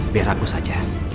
biar aku saja